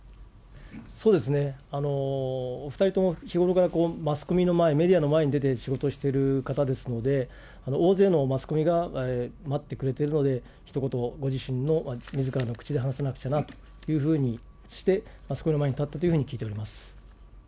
そうですね、お２人とも日頃からマスコミの前、メディアの前に出て仕事してる方ですので、大勢のマスコミが待ってくれているので、ひと言、ご自身のみずからの口で話さなくちゃなというふうにして、マスコミの前に立ったというふうに聞いております。